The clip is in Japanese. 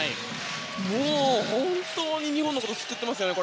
もう、本当に日本のことを救ってますね。